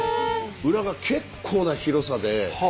裏が結構な広さで。